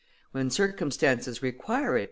"When circumstances require it," M.